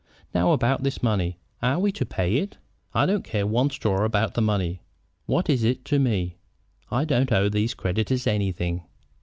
Now about this money. Are we to pay it?" "I don't care one straw about the money. What is it to me? I don't owe these creditors anything."